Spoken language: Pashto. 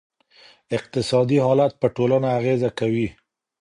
اقتصادي حالت په ټولنه اغېزه کوي.